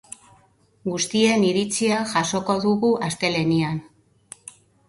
Guztien iritzia jasoko dugu astelehenean.